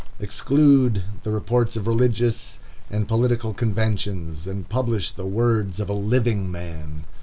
_ Exclude the reports of religious and political conventions, and publish the words of a living man.